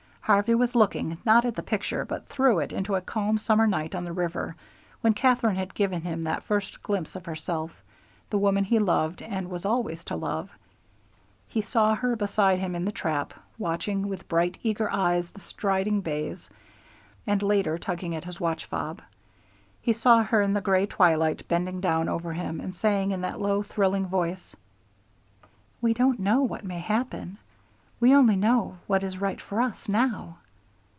Harvey was looking, not at the picture, but through it into a calm summer night on the river, when Katherine had given him that first glimpse of herself, the woman he loved and was always to love. He saw her beside him in the trap, watching with bright, eager eyes the striding bays, and later tugging at his watch fob. He saw her in the gray twilight, bending down over him and saying in that low thrilling voice: "We don't know what may happen. We only know what is right for us now."